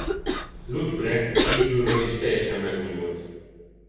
Ludbreg kívülről is teljesen megújult.